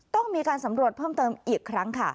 ต้องมีการสำรวจเพิ่มเติมอีกครั้งค่ะ